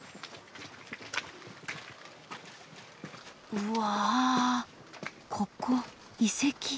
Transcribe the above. うわぁここ遺跡。